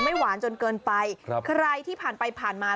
หวานจนเกินไปครับใครที่ผ่านไปผ่านมา